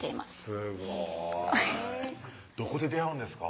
すごいどこで出会うんですか？